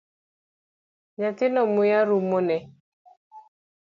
Nyathino muya rumone